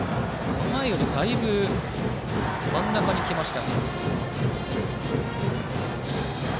構えよりだいぶ真ん中に来ました。